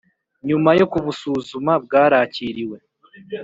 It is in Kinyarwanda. Nyuma yo kubusuzuma bwarakiriwe